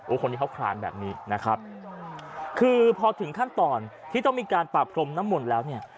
คนที่เขาคลานแบบนี้นะครับคือพอถึงขั้นตอนที่ต้องมีการปราบพรมน้ำมนต์แล้วเนี่ย